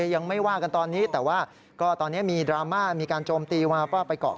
ยังไม่ว่ากันตอนนี้แต่ว่าก็ตอนนี้มีดราม่ามีการโจมตีมาว่าไปเกาะ